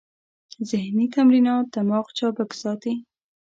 ذهني تمرینات دماغ چابک ساتي.